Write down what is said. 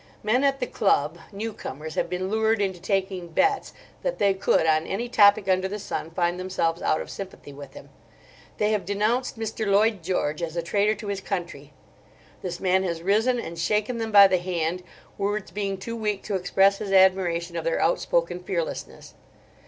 Men at the Club—new comers—have been lured into taking bets that they could on any topic under the sun find themselves out of sympathy with him. They have denounced Mr. Lloyd George as a traitor to his country. This man has risen and shaken them by the hand, words being too weak to express his admiration of their outspoken fearlessness.